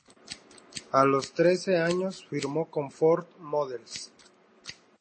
A los trece años firmó con "Ford Models".